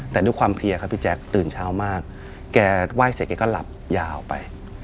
แต่ด้วยความเพลียครับพี่แจ๊คตื่นเช้ามากแกไหว้เสร็จแกก็หลับยาวไป